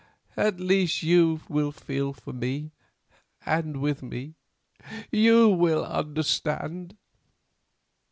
At least you will feel for me and with me. You will understand."